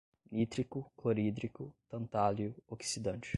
nítrico, clorídrico, tantálio, oxidante